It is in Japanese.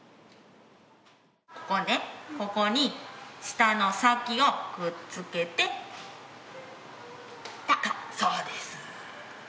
ここは、ここに、舌の先をくっつけて、そうです。